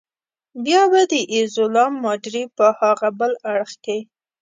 بیا به د ایزولا ماډرې په هاغه بل اړخ کې.